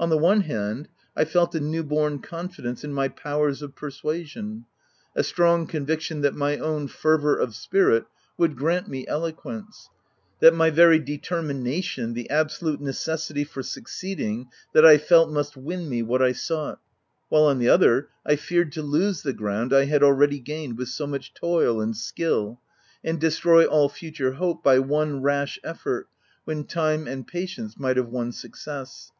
On the one hand, I felt a new born confidence in my powers of persuasion— a strong conviction that my own fervour of spirit would grant me eloquence — that my very determina tion — the absolute necessity for succeeding, that I felt must win me what I sought ; while on the other, I feared to lose the ground I had already gained with so much toil and skill, and destroy all future hope by one rash effort, when time and patience might have won success.